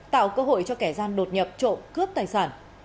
tạo cơ hội cho kẻ gian đột nhập trộm cướp tài sản